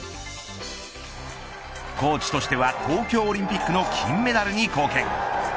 コーチとしては東京オリンピックの金メダルに貢献。